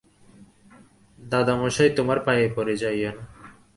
দাদামহাশয়, তােমার পায়ে পড়ি যাইও না!